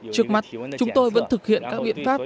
trước mắt chúng tôi vẫn thực hiện các biện pháp